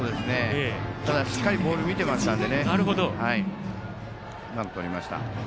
ただ、しっかりボール見てましたんでね。うまくとりました。